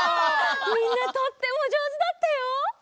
みんなとってもじょうずだったよ。